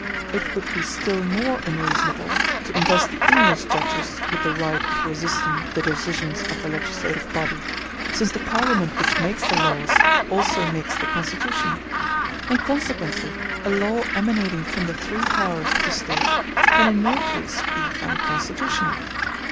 It would be still more unreasonable to invest the English judges with the right of resisting the decisions of the legislative body, since the Parliament which makes the laws also makes the constitution; and consequently a law emanating from the three powers of the State can in no case be unconstitutional.